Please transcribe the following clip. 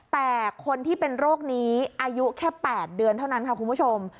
แต่คนที่เป็นโรคนี้อายุแค่๘เดือนเท่านั้นค่ะคุณผู้ชม